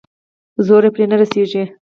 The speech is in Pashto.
زور يې پرې نه رسېږي.